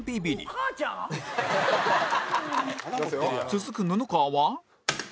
続く布川は